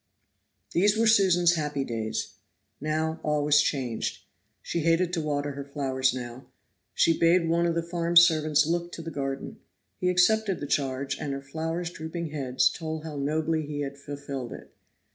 These were Susan's happy days. Now all was changed. She hated to water her flowers now. She bade one of the farm servants look to the garden. He accepted the charge, and her flowers' drooping heads told how nobly he had fulfilled it.